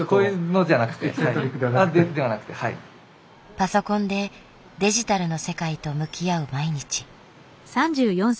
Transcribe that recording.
パソコンでデジタルの世界と向き合う毎日。